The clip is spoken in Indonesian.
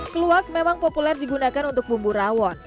keluak memang populer digunakan untuk bumbu rawon